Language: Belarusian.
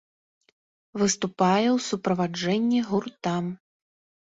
Выступае ў суправаджэнні гурта.